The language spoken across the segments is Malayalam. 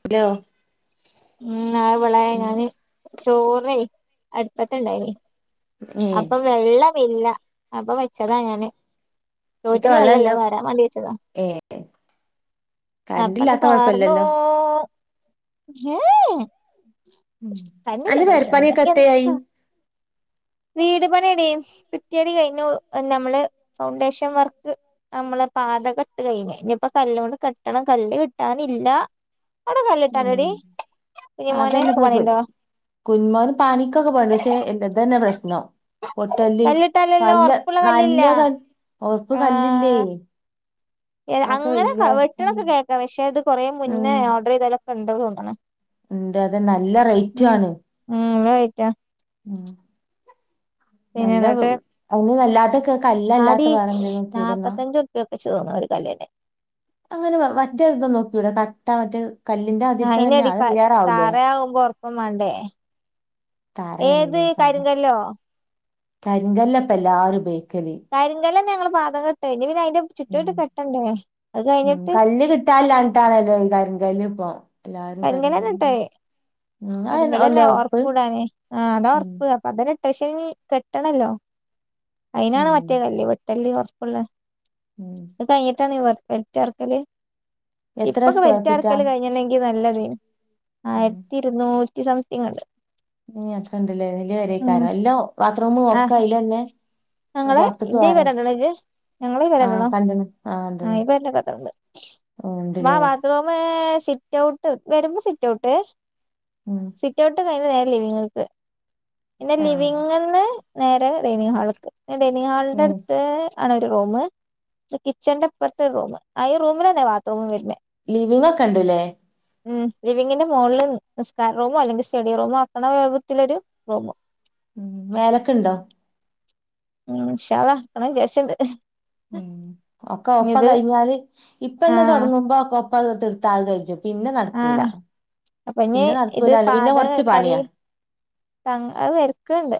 ഹലോ ഉം ആ വിള ഞാന് ചോറ അടുത്തട്ട ഇണ്ടായി ഉം അപ്പൊ വെള്ളമില്ല അപ്പൊ വെച്ചതാ ങ്ങാന് ഇത്ത ചോട്ടന് വെള്ളല്ല വെള്ളല്ലേ വേരാ വണ്ട വെച്ചതാ ഏ കറണ്ട് അപ്പത് ഇല്ലാത്ത പാർന്നോ കൊഴപ്പല്ലല്ലോ അന്റെ പെരപ്പണിയൊക്കെ എത്തയായി [unintelligible] വീട് പണിയെടി കുറ്റിയടി കഴിഞ്ഞു നമ്മള് ഫൗണ്ടേഷൻ വർക്ക് നമ്മളെ ബാത കെട്ട് കഴിഞ്ഞ ഇനിയിപ്പ കല്ൊണ്ട് കെട്ടണം കല്ല് കിട്ടാനില്ല ഉം ല്ലേട്ടാാനടി അതന്നെ പൊ കുന്മോൻ പാനിക്കൊക്കെ പോണ്ട് പക്ഷെ എതു തന്നെ പ്രശ്നം പൊട്ടല്ലി കല്ലിട്ടാലല്ലോ നല്ല ഒറപ്പുള്ള കല്ലില്ല നല്ല ക റപ്പ് കല്ലില്ലേ ആ അതൊക്കെ അങ്ങനെ വല്യ ഉം വെട്ടണൊക്കെ കേക്ക പക്ഷെ അത് കൊറെ മുന്നേ ഓർഡർ ചെയ്താലൊക്കെ ഉണ്ടത് തോന്നണ ഉണ്ട് അത് നല്ല റേറ്റ ആണ് ഊണ് കയിച്ച പിന്നെ നല്ല എന്നിട്ട് അങ്ങനല്ലാതെ കല്ലല്ലാത്ത വേറെ നോക്കി ഇടുന്നാ വച്ചു തോന്ന ഒരു കല്ലിനെ അങ്ങനെ മറ്റേ എന്താ നോക്കിക്കൂട കട്ട മറ്റേ കല്ലിന്റെ ആദ്യത്തെ തന്നെയ വേറാവൂലേ അപ്പ വേണ്ടേ ഏത് തറയാണല്ലേ കാര്യം കല്ലോ കരിങ്കല്ലപ്പ എല്ലാവരുംപേ കാര്യ കാലല്ല തന്നെ ഞങ്ങള്ൊകംെട്ട ഇ പിന്ന അതിന്റെ ചുറ്റു ചട്ട് കെട്ടണ്ടേ അത് ഉ കഴിഞ്ഞിട്ട് കല്ല് കിട്ടാില്ലാട്ടാണല്ലോ ഈ കരിങ്കല് ഇപ്പ എല്ലാരും കങ്കല് [unintelligible] ഉറപ്പൂടാനെ ആ അതാ ഉം ഉറപ്പ അപ്പ അതന്നെ അശ കെട്ടണല്ലോ അയിതിനാണ് ഉം മറ്റേ കല്ല് വെട്ടല്ല് കൊറപ്പുള്ള ഉം അത് കഴിഞ്ഞിട്ടാണ് വലറ്റ ആർക്കല് എത്ര ഇപ്പൊക്കെ സ്ക്വയർ വലറ്റ ഫീറ്റാ ആർക്കല് കഴിഞ്ഞെങ്ക നല്ലത് ആയിരത്തി ഇരുന്നൂറ്റി സംതിങ് ഉണ്ട് ഇനി അത്ര ഇണ്ടല്ലേ ഇല വരക്കാര ഉം എല്ലാ ബാത്റൂം വക്ക ആഹ് അല്ലന്നെ ഞങ്ങളെ ഇൻ്റെ ഈ പെര കണ്ട്ണോജ് ഞങ്ങള ഈ പെര ആഹ് കണ്ട്ണോ കണ്ട്ണ് ആഹ് കണ്ട്ണ് ഈ പെരൻ്റോക്കെ അത്രണ്ട്. ബാ ഉണ്ട്ല്ലേ ബാത്രൂമ് സിറ്റ് ഔട്ട് വരുമ്പോ സിറ്റ് ഔട്ട് ഉം സിറ്റ് ഔട്ട് കഴിഞ്ഞ് നേരെ ലിവിംഗ്ൽക്ക്. പിന്നെ ആഹ് ലിവിംഗിന്ന് നേരെ ഡൈനിംഗ് ഹാൾക്ക് പിന്നെ ഡൈനി ഹാളിന്റെ ഏഹ് അട്ത്ത് ആണ് ഒരു റൂം. ക്ഷെ കിച്ചന്റെ ഇപ്പർത്ത് ഒരു റൂം. ആ ഈ റൂമിലെന്നെ ബാത്റൂമും വരുന്നെ. ലിവിങ്കൊക്കെ ഇണ്ട്ല്ലേ? ഉം ലിവിംഗിന്റെ മോൾല് നിസ്കാര റൂമോ അല്ലെങ്കി സ്റ്റഡി റൂമോ ആക്ക്ണ രൂപത്തിലൊരു റൂമ്. ഉം മേലക്ക്ണ്ടോ? ഉ ഇൻഷാ അള്ളാ ന്ന് ക്ക ണ്ണം വിചാരിച്ച്ണ്ട്. ഉം ഒക്കെ ഒപ്പം കഴിഞ്ഞാല് ഇപ്പന്നെ ആഹ് തൊടങ്ങുമ്പോ ഒക്കെ ഒപ്പങ്ങ് അതിട്ത്താ അത് കയ്യും പിന്നെ നടക്കൂല. ആഹ് അപ്പൊ ഇനി പിന്നെ നടക്കൂല അല്ല. പിന്നെ കൊറച്ച് പണിയ. തങ്ങ് അത് വരക്ക്ണ്ട്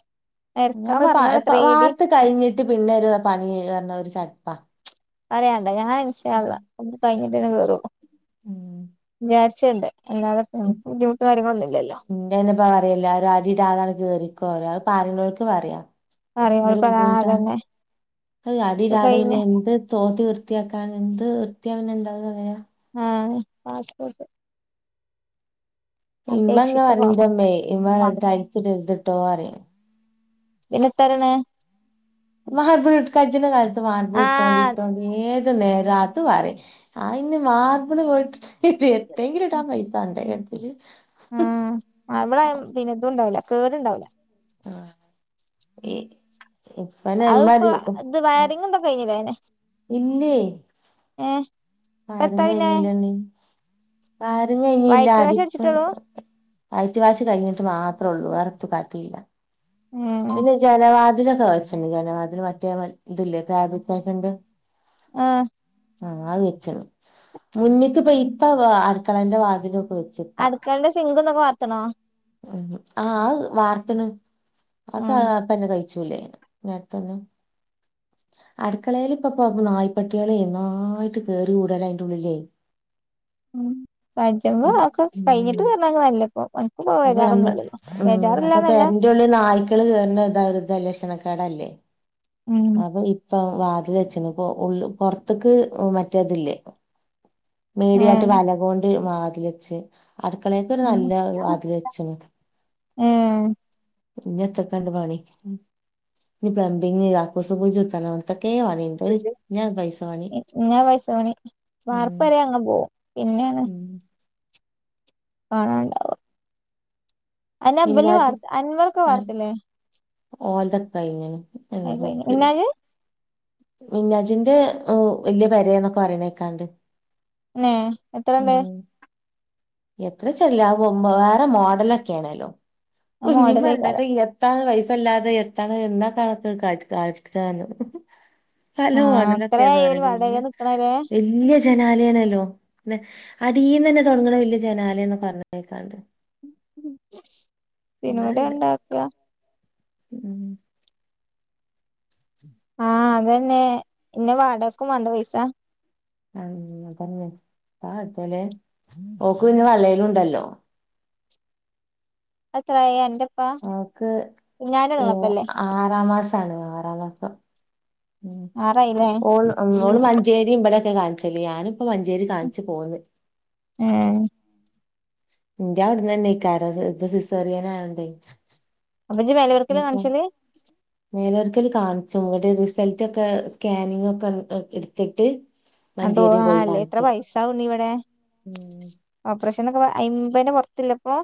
പിന്നെ വരക്കാ ഞമ്മള് പ പറഞ്ഞ്ണ് ഇപ്പ ത്രീ ഡി വാർത്ത് കഴിഞ്ഞിട്ട് പിന്നെ ഒരു പണി പറഞ്ഞ ഒരു ചട്പ്പാ. പറയാണ്ടോ ഞാന് ഇൻഷാ അള്ളാ ഫുള്ള് കഴിഞ്ഞിട്ടെന്നെ കേറോള്ളൂ വിചാരിച്ച്ണ്ട് അല്ലാതപ്പ ഞമ്മക്ക് ബുദ്ധിമുട്ട് കാര്യങ്ങളൊന്നുല്ലല്ലോ എല്ലാരും അടിടാതങ്ങട് കേറിക്കോറയും. അത് പറയ്ണോൽക്ക് പറയ. പറിയ്ണോൽക്ക് ആ അതന്നെ. അഹ് അടി ഒക്കെ ഇടാതെ പിന്നെ കഴിഞ്ഞ് എന്ത് തോത്തി വൃത്തിയാക്കാന. എന്ത് വൃത്തിയ പിന്നെണ്ടാവ ല്ലേ ആഹ് പാസ്പോർട്ട്. ഇമ്മങ്ങനെ അപേക്ഷിച്ച പറയും ഫോമ് ഇൻ്റെമ്മേ [unintelligible] ടൈൽസ് ഇടര്ത്ട്ടോറിയും പിന്നെ എത്താറ്യ്ണെ മാർബിൾ ഇട് കജ്ന കാലത്ത് മാർബിൾ ഇട്ടോണ്ടി ആഹ് ഇട്ടോണ്ടി ഏ ത് നേരോം അത് പറയും. അയിന് മാർബിൾ പോയിട്ട് എത്തെങ്കിലും ഇടാൻ പൈസ വാണ്ടേ കച്ചില് ഉം മാർബിളായ പിന്നെ ഇതും ണ്ടാവില്ല കേടുണ്ടാവില്ല. ആ ഇ ഇപ്പന്നെ അത്പ്പോ എമാതി ഉം ഇത് ഉം വയറിംഗ് ഇതൊക്കെ കഴിഞ്ഞില്ലേ അയിന് ഇല്ലേ ഏഹ് ഇപ്പെത്താ പറഞ്ഞ് പിന്നെ കഴിഞ്ഞല്ലന്നെ. വയറിംഗ് കഴിഞ്ഞില്ല വൈറ്റ് വാഷ് അതിപ്പ അടിച്ചിട്ടൊള്ളൂ വൈറ്റ് വാഷ് കഴിഞ്ഞിട്ട് മാത്രള്ളൂ വേറെത്തും കാട്ടീല. ഏഹ് പിന്നെ ജനവാതിലൊക്കെ വച്ച്ണ്ട് ജനവാതിലും മറ്റേ വ ഇതില്ലേ ഫാബ്രിക്കേഷൻ്റെ ആഹ് ആഹ് അത് വെച്ച്ണ്. മുന്നിക്ക്പ്പ ഇപ്പ അടുക്കളന്റെ വാതിലും അടുക്കളന്റെ സിങ്കുംതൊക്കെ വാർത്ത്ണോ? ഉം ആ അത് വാർത്ത്ണ് അത് ആ ഉം അപ്പന്നെ കഴി ചൂലെന്ന് ഇനി അട്ത്തൊല്ലം. അടുക്കളേൽ ഇപ്പം പ്പ നായ് പട്ടിയളെ ഒന്നായിട്ട് കേറി കൂടലായിൻ്റെ ഉള്ളിലെ. ഉം പറ്റുമ്പോ നോക്കും. കഴിഞ്ഞിട്ട് കേറ്ണാണ് നല്ലേ. അപ്പോ നമ്മ ഉം അപ്പോ ബേജാറില്ലാന്നല്ല പെരന്റെ ഉള്ള് നായ്ക്കള് കേറ്ന്നത് ഒരു ത ലക്ഷണ ക്കേടല്ലേ ഉം അപ്പോ ഇ ഇപ്പം വാതിൽ വച്ച്ണ്. ഇപ്പോ ഉള്ള് പൊറത്ത്ക്ക് മറ്റെ ഇതില്ലേ മീഡിയായിട്ട് ഏഹ് വല കൊണ്ട് വാതിൽ വെച്ച് അടുക്കളെക്കൊരു നല്ല വാതി ലെച്ച്ണ്. ഉം ഇനി എത്തക്കണ്ട് പണി. ഉം ഇനി പ്ലബിംഗ് കക്കൂസുകുജുത്തണം ഇതൊ ഈ ഇഞ്ഞാ ആ ഉം പൈസപണിവാർപ്പരെ അങ്ങന്നെപോവും. പിന്നെണ് ഉം പണണ്ടാവും അന്നെഇബല് മിന്നാജ് വാർ അൻവറൊക്കെ വാർത്ത് ല്ലേ ഓൽതക്കയിഞ്ഞിന് ആയിപ്പോയിനി മിന്നാജ് മിന്നാജിന്റെ ഉ വല്യ പെരയാന്നൊക്കെ പറയണേക്കാണ്ട് നേ എത്രണ്ട് എത്രേച്ചർല്ലാ വൊമ്മ വേറ മോഡലൊക്കേണോലും ആ ഉ ഇന്നിം വരണ്ടേ മോഡലേക്കാരം തൈ യെത്താണ് വൈസ് ഇപ്പല്ലാതെ എത്തണം എന്താ കണക്ക് കാച്ച് കാ ഷ്ടാണ് സലോ ആഹ് ആണലൊക്കേന്ന് അത്രയായി ഓല് പറയ്ണെയ്യ് വാടകക്ക് നിക്കണല്ലേ വെല്ല്യ ജ് ജനാലേണല്ലോ വെ അടീന്നന്നെ തൊടങ്ങ്ണ വല്ല്യ ജനാലേന്ന് പറഞ്ഞ് കേക്കാണ്ട് എന്താ പിനോൻ്റെ അറിയില്ല എണ്ടാക്ക്അ ഉം ആഹ് അതന്നെ പിന്ന വാടകക്കും വാണ്ടെ പൈസ ആന്ന് അതന്നെ [unintelligible] ഓക്ക് പിന്നെ വളേലും ഉണ്ടല്ലോ അത്രായെൻ്റെപ് ഓക്ക് ഏ ആറാം മാസാണ് ആറാം മാസം ഉം ആറായില്ലേ ഓൾ ഉം ഓള് മഞ്ചേരിം ഇവടെ ട്ട കാണിച്ചല്ലേ ഞാനിപ്പ മഞ്ചേരി കാണിച്ച് പോന്ന് ഏഹ് ഇന്റെ അവിടന്നന്നേയിക്കാര ഇത് ഇത് സിസേറിയനായോണ്ടേ അപ്പൊ ഇജ്ജ് മേലവെർക്കല് [unintelligible] കാണിച്ചല് മേലൊരക്കല് കാണും ചുമങ്ങട് റിസൾട്ടൊക്കെ സ്കാനിങ്ങൊക്കെ അങ്ങ് അ എടുത്തിട്ട് അഡോ മഞ്ചേരി ആഹ് പോയി അല്ലേ എത്ര കാണിച്ച് പൈസാവുണ്ണീ ഇവടേ ഉം പ്രേഷനൊക്കെപ ഐമ്പയിൻ്റ പൊറത്തില്ലെപ്പോ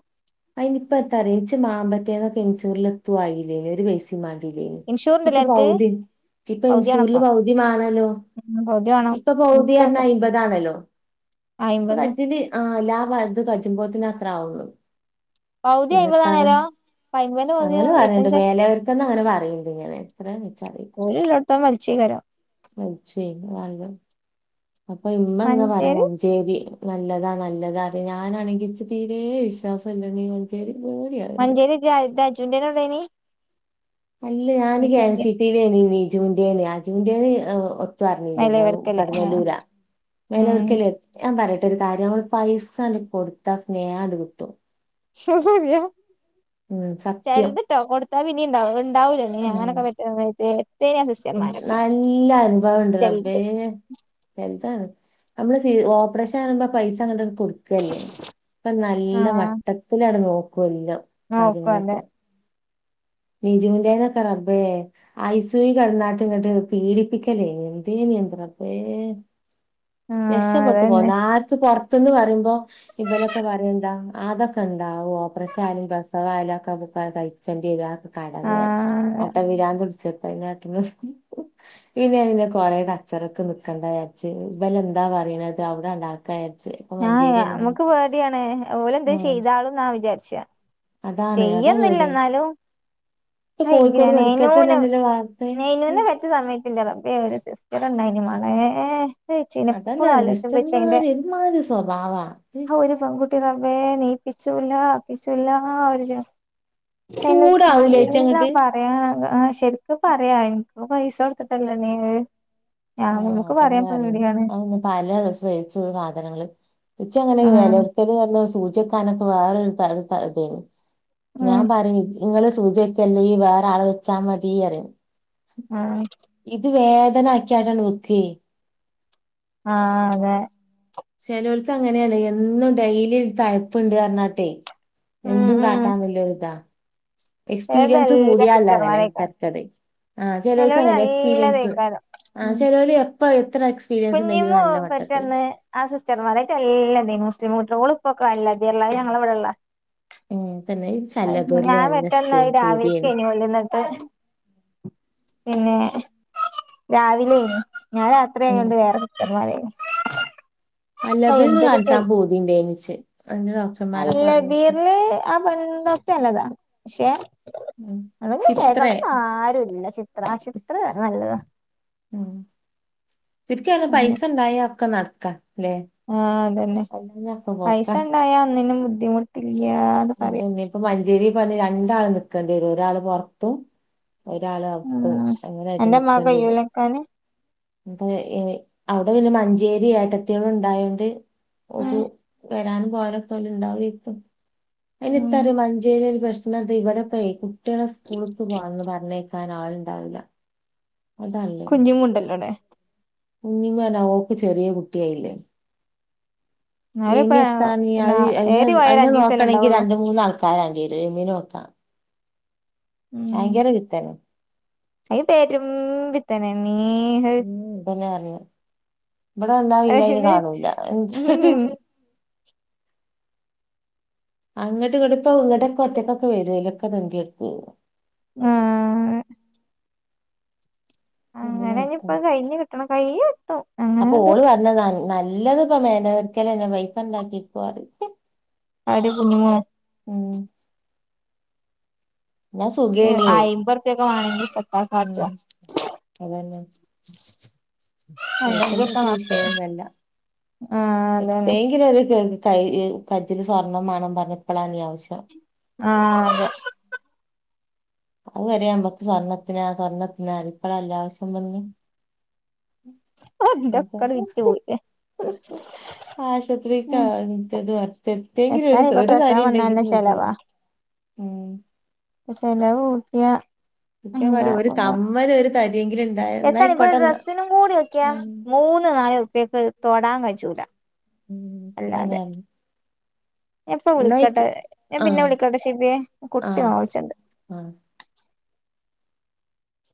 അയിനിപ്പ തരേച്ച് മാമ്പറ്റേന്നൊക്കെഞ്ചൂരിലെത്തുവായില്ലേലൊരു വെയ്‌സി മാൻ ടില് ഇൻഷൂർണ്ട്ല്ലേ ഇപ്പ അനക്ക് പൗതി ഇപ്പ പൗതി ഇൻഷൂറില് വേണപ്പം പൗതിമാണല്ലോ ഉം പൗതി വേണം ഇപ്പ പൗതീയറഞ്ഞ ഇൻക്കൊക്കെ ഐമ്പതാണല്ലോ അയ്മ്പത് സുഖായോ ഇജ്ജ് ഇനി ആഹ് എല്ലാതു അത് കയിച്ചുമ്പോത്തിനത്രെ ആവുള്ളു പൗതി പിന്നെത്താണ് അയ്മ്പതാണേലോ ഇപ്പ അയ്മ്പതിന്റെ പൗതിയോ അങ്ങനെ പറയണ്ട് ഇരുപത്തഞ്ചോ മേലേവരത്ത്ന്ന അങ്ങന പറയിണ്ട് ഇങ്ങനെ എത്രേ മിച്ചാ ഓരിള്ളടത്തോം വലിച്ചേകാരം അയ്ശേ [unintelligible] അപ്പ ഇമ്മ ഇങ്ങ് പറയ മഞ്ചേരി മഞ്ചേരീ നല്ലതാ നല്ലതാ അറയാ ഞാനാണെങ്കി ഇച്ച് തീരേ വിശ്വാസല്ലടീ മഞ്ചേരി പേടിയാവണ്ട് മഞ്ചേരി ഇജ്ജ് അയ് തജൂൻ്റേനൊള്ളെയ്നി അല്ല ഞാന് കെഎംസിടി ലേനി നിജൂൻ്റേന് അജൂൻ്റേന് ആഹ് ഒ തുവറഞ്ഞില്ലേടോ മേലവെർക്കല് ആഹ് കട്ങ്ങല്ലൂരാ ഉം മേലരിക്കലെ ഞാമ്പറയ് മറ്റൊരു കാര്യം നമ്മൾ പൈസാണ്ട് കൊടുത്താ സ്നേഹാണ്ട് കിട്ടും [unintelligible] ഉം സത്യം ചെൽത്ട്ടോ കൊടുത്താ പിന്നീണ്ടാവും ഇണ് ണ്ടാവൂലല്ലേ ഉം ഞാനൊക്കെ പെറ്റ സമയത്ത് എത്തെയ്നിയാ സിസ്റ്റർമാരൊക്കെ നല്ല ചെൽത് നെൽസാണ് അമ്മള് സീ ഓപ്പറേഷനറയുമ്പ പൈസ അങ്ങട് കൊട്ക്കല്ലേ ഇപ്പ നല്ല ആഹ് വട്ടത്തിലാട് നോ [unintelligible] നോക്കും അതെ കാര്യങ്ങളൊക്കെ നൈജൂൻ്റേനൊക്ക റബ്ബേ ഐസൂയീ കെടന്നാട്ടിങ്ങട്ട് പീഡിപ്പിക്കലേ എന്തി യെൻ്റ റബ്ബേ ആഹ് രക്ഷപെട്ട് അതന്നെ പോന്നാ ആർക്ക് പൊറത്ത് ത്ത്ന്ന് പറയുമ്പോ ഇവരൊക്കെ പറയണ്ട അതൊക്കെ ഇണ്ടാവു ഓപ്രേഷായാലും പ്രസവായാലും ഒക്കബ് കാ സയിച്ചണ്ടി വരു അതൊക്ക കടമയാ ആഹ് അപ്പ പിരാന്ത് പിടിച്ച [unintelligible] ഇന്ന് ഞാൻ പിന്നെ കൊറേ കച്ചറക്ക് നിക്കണ്ടാ വിയാച്ച് ഇവലെന്താ പറയ്ണത് അവിടെ അണ്ടാക്കായര് ആ യാ അമ്മുക്ക് പേടിയാണ് ഓലെന്തേ ഉം ചെയ്താളുംന്നാ വിചാരിച്ച്ആ അതാണ് അതാ ചെയ്യന്നില്ല പേടി എന്നാലും ഇപ്പൊ ഹൈ എങ്കിലാ കോഴിക്കോട് മെഡിക്കൽ നെയ്നൂന് തന്നെയാണല്ലോ വാർത്തെ നെയ്നൂനെ പെറ്റ സമയത്തിന്റെ റബ്ബേ ഒര് സിസ് [unintelligible] മാളേ ഏ ചീനപ്പള് അതന്നെ ആലോയ്ച്ച പക്ഷെ അയിൻ്റെ സിസ്റ്റർമാര് ഒരുമാതിരി സ്വഭാവാ ഹൗ ഒരു പെൺകുട്ടി റബ് വേഗം നീപ്പിച്ചുല്ല അ ചൂടാവൂലേ ആല്ലാം അയിറ്റങ്ങട്ട് പറയൻ ആ ശരിക്കും പറയാ ഓൻ പൈസ കൊടുത്തിട്ടല്ലേ നീ ആഹ അതന്നെ കാര് അന്നെ പല ദിവസവും അയച്ചോടുക്കുന്ന സാധനങ്ങള്ൾ ഉച്ചി അങ്ങനെ ആഹ് വിലയിരുത്തല് പറ സൂചക്കാനൊക്കെ വേറെൊരു ഇത ഞാൻ പറയും നിങ്ങള് സൂചയക്കല്ലേ വേറെ ആള് വെച്ചാ മതി പറയും ആഹ ഇത് വേദന ആക്കിയട്ടാണ് വെക്കുക ആഹ അതെ ചലവൾക്ക് അങ്ങനെയാണ് എന്നും ഡെലി തയപ്പുണ്ട് പറഞ്ഞാട്ടെ ഉം എന്തും ഉം കാട്ടാന്നുള്ള ഒരുദാ എക്സ്പീരിയൻസ് ഏതെല്ലാ കൂടിയാൽ ഉള്ളണ്അങ്ങനെ സിസ്റ്റർമാരേക്കാരം തരക്കേട് ആ ചിലവർക്ക് ചെലോല് അങ്ങനെ എക്സ്പീരിയൻസ് നല്ലതേക്കാരം ആ ചിലവർ എപ്പ എത്ര എക്സ്പീരിയൻസ് ഉണ്ടെങ്കിലും കുഞ്ഞിമ്മു നല്ല വട്ടത്തില് പെറ്റന്ന് ആ സിസ്റ്റർ ടീച്ചർമാരായിട്ട് നല്ലതേനു മുസ്ലിം കുട്ടികളും ഓളിപ്പോക്കെ അൽ അബീറിലാ അത്ഞങ്ങള ഇവിടള ഉം തന്നെ ഈ ശല്യ പേരില് ഞാൻ നല്ല പറ്റന്ന ഇഷ്ടേനു രാവിലക്ക പൂതിയേനു ഇനില്ലന്നിട്ട് [unintelligible] പിന്നെ രാവിലെ ഞാൻ രാത്രിയ ഉം കൊണ്ട് വേറെ സിസ്റ്റർമാർയെന്നു അൽ എന്തൊരു അബീറിൽകാണിക്കാൻ പൂതിയുണ്ടായിരുന്നുച് അൽഅബീറിൽ ആപെണ്ണ്ടോക്ടർനല്ലതാ പക്ഷെ ഉം അ ചിത്രേ കേക്കളന്ന ആരുുംല്ല ചിത്ര ആ ചിത്ര നല്ലതാ [unintelligible] ഉ ശരിക്ക പൈസ ഉണ്ടായ ഒക്കെ നടക്കാ ല്ലേ ആഹ അതന്നെ അല്ലാഞ്ഞ ഒക്കെ പൈസ പോക്കാ ഉണ്ടായാ അന്നിനും ബുദ്ധിമുട്ടി ഇല്ല്യാന്ന് പറയാ ചിരി പറഞ്ഞഞ് രണ്ടാൾ നക്കേണ്ടി വരും ഒരാൾ പുൊറത്തും ഒരാള അപ്പും ഉം അങ്ങനെയായിട്ട് എന്റെ ഉമ്മാക്ക് നിക്കണ്ടിവരും കയ്യൂലക്കാന് ഇപ്പ അവിടെ പിന്നെ മഞ്ചേരി ഏട്ടത്തിൾ ഉണ്ടായോണ്ട് ഓപ്പ് ഉം വരാനും പോവാനൊക്കെ ഓല്ഇണ്ടാവുയ്ക്കും അതിന് ഉം എന്താന്നറിയോ മഞ്ചേരി ഒരു പ്രശ്നം പിന്നെയെന്താ ഇവിടപ്പം കുട്ടികളെ സ്കൂൾക് പോകന്ന് പറഞ്ഞേക്കാൻ ആളുണ്ടാവില്ല കുഞ്ഞും മുണ്ടല്ലോണേ ഉിമനങ്ങോക്ക് ചെറിയ കുട്ടിയായില്ലേ [unintelligible] എന്നാലും ഇപ്പ ഇനി എത്താനീ അ എന്നാ അ ഏറി പോയ ഒരു അയിെ അഞ്ചീസല്ലേ നോക്കണമെങ്കി ഉണ്ടാവുള്ളൂ രണ്ടമൂന്ന ആൾക്കാര് വേണ്ടിവരും മീന്നോത്ത [unintelligible] ഉം ഭയങ്കര പിത്തനെ അത് പേരുംപിതനെ ഉം പിന്നെ അറിയ ഇവിടെ വന്നാ പിന്ന അയിനെ അയിന് കാണൂല്ല ഉം അങ്ങോട്ട്ഇങ്ങാട്ട് ഇപ്പ ഇങ്ങടെക്കെ ഒറ്റക്കൊക്കെ വരലൊക്കെ ആയിലൊക്കെതൊണ്ടിനടക്കും ആഹ അങ്ങനെ അങ്ങന ഇനി നിക്കും ഇപ്പ കഴിഞ്ഞുകിട്ടണം കൈ അപ്പൊ ഓള് പറഞ്ഞ നല്ലത്പ്പ മേന ഒരിക്കലും പൈസ ഉണ്ടാക്കികൊന്ന് അര് കുഞ്ഞിമോ ആഹ എന്ന സുഖേനി ആണെങ്കിൽ [unintelligible] ഉം അതന്നെ അല്ലെങ്കിലൊക്കെ പൈസല്യതാ വിശയൊന്നുമല്ല ആഹ് അതന്നെ എപ്പയെങ്കിലുമൊരു കൈയിൽ സ്വർണ്ണം വേണംപറഞ്ഞ ഇപ്പളാണീ ആവിശ്യം ആ അതെ അതുവരെ നമ്മക്ക് സ്വർണത്തിന സ്വർണത്തിന ഇപ്പളല്ലേ ആവിശ്യംവന്നെ ഉം ആന്റക്കാണ് വിറ്റ് പോയില്ലെ ആശുത്രിക്കാണെങ്കിലും [unintelligible] എത്തേങ്കിലും ഒരു എത്താനിപ്പ ഒരു പ്രസവം കാര്യം വന്നാലന്നെ ഇണ്ടെങ്കില് കൊഴപ്പെ ചെലവാ ചെലവ് കൂട്ടിയ ഇക്കാ പറയും ഒരു കമ്മല് ഒരു തരിയെങ്കിലും ഉണ്ടായ എന്നാ എത്താണീ ഇബടെ ആയിക്കോട്ടെ എന്നാ ഡ്രസ്സിനും കൂടി ക്ക്യ ഉം മൂന്ന് നാല് ഉർപ്യക്ക് തൊടാൻ കജ്ജൂല ഉം ഇ [unintelligible] ഇപ്പ വിളിക്കട്ടെ ഞാൻ പിന്നെ ആഹ് വിളിക്കട്ടെ ശബിയെ കുട്ടി ആഹ് ഒവിച്ചണ്ട് ആഹ്